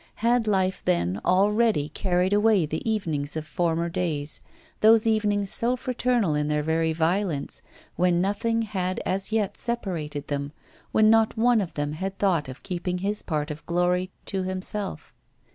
Had life then already carried away the evenings of former days, those evenings so fraternal in their very violence, when nothing had as yet separated them, when not one of them had thought of keeping his part of glory to himself?